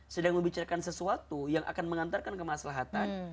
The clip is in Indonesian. sedang membicarakan sesuatu yang akan mengantarkan kemaslahatan